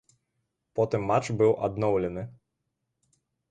Потым матч быў адноўлены.